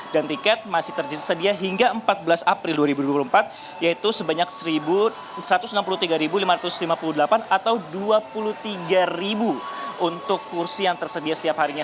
dan tiket masih tersedia hingga empat belas april dua ribu dua puluh empat yaitu sebanyak satu ratus enam puluh tiga lima ratus lima puluh delapan atau dua puluh tiga untuk kursi yang tersedia setiap harinya